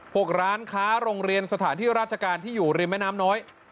พวกร้านค้าโรงเรียนสถานที่ราชการที่อยู่ริมแม่น้ำน้อย